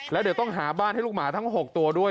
แล้วเดี๋ยวต้องหาบ้านให้ลูกหมาทั้ง๖ตัวด้วย